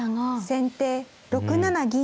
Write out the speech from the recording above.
先手６七銀。